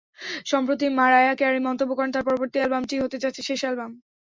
সম্প্রতি Mariah Carey মন্তব্য করেন, তাঁর পরবর্তী অ্যালবামটিই হতে যাচ্ছে শেষ অ্যালবাম।